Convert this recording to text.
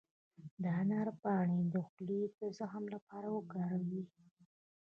د انار پاڼې د خولې د زخم لپاره وکاروئ